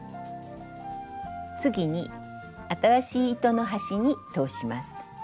次に新しい糸の端に通します。